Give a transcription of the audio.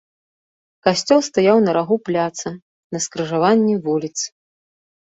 Касцёл стаяў на рагу пляца, на скрыжаванні вуліц.